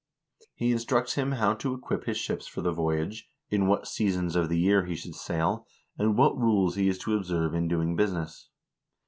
He instructs him how to equip his ships for the voyage, in what seasons of the year he should sail, and what rules he is to observe in doing business.